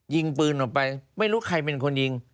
ยิงปืนออกไปไม่รู้ใครเป็นคนยิง